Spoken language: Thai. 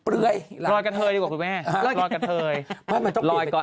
โรยกระเทยดีกว่าคุณแม่